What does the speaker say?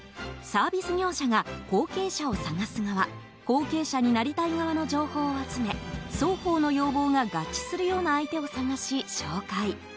サービス業者が後継者を探す側後継者になりたい側の情報を集め双方の要望が合致するような相手を探し、紹介。